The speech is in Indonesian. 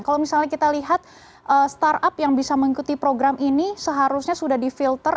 kalau misalnya kita lihat startup yang bisa mengikuti program ini seharusnya sudah di filter